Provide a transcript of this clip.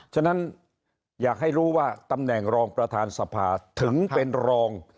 ฉะนั้นอยากให้รู้ว่าตำแหน่งรองประธานสภาถึงเป็นรอง